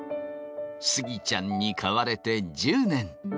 スギちゃんに買われて１０年。